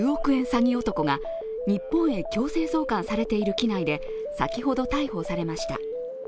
詐欺男が、日本へ強制送還されている機内で先ほど逮捕されました。